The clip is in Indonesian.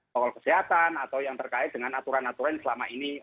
protokol kesehatan atau yang terkait dengan aturan aturan yang selama ini